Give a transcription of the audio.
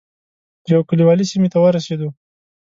یو کلیوالي سیمې ته ورسېدو.